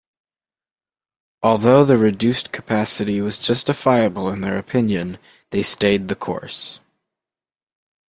Although the reduced capacity was justifiable in their opinion, they stayed the course.